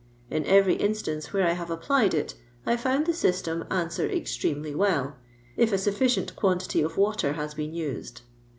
In every instance where I have applied it, I found the system answer extremely well, if a sufficient quantity of water has been used.